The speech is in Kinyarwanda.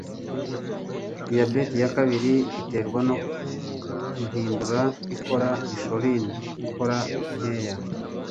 Diyabete ya kabiri iterwa nuko impindura ikora insuline ikora nkeya